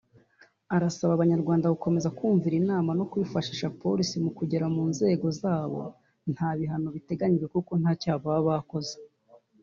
Arasaba abanyarwanda gukomeza kumvira inama no kwifashisha Polisi mukugera mungo zabo ntan’ibihano biteganijwe kuko ntacyaha baba bakoze